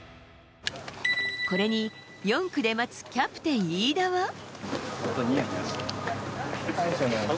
これに４区で待つキャプテン飯田は。